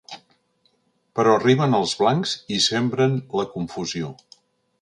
Però arriben els blancs i sembren la confusió.